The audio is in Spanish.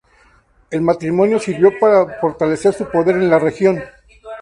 El matrimonio sirvió para fortalecer su poder en la región.